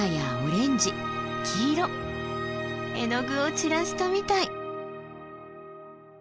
絵の具を散らしたみたい！